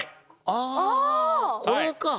ああこれか！